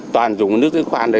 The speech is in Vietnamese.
toàn dùng nước khóa